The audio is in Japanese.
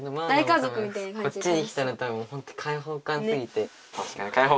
こっちに来たら多分ほんと開放感すぎて。